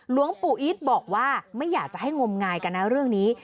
หลวงปู่อีทบอกว่าไม่อยากจะให้งมงายกันนะเรื่องนี้